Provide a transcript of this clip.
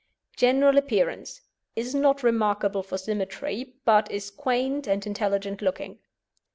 GENERAL APPEARANCE Is not remarkable for symmetry, but is quaint and intelligent looking.